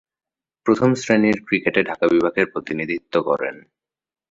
প্রথম-শ্রেণীর ক্রিকেটে ঢাকা বিভাগের প্রতিনিধিত্ব করেন।